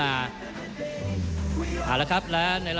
ท่านแรกครับจันทรุ่ม